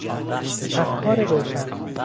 افکار روشن